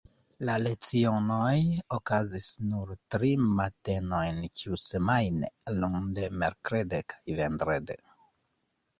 La lecionoj okazis nur tri matenojn ĉiusemajne, lunde, merkrede kaj vendrede.